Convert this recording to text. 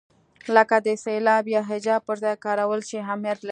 لکه د سېلاب یا هجا پر ځای کارول چې اهمیت لري.